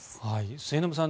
末延さん